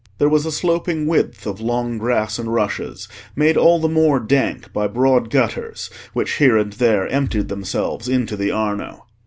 There was a sloping width of long grass and rushes made all the more dank by broad gutters which here and there emptied themselves into the Arno.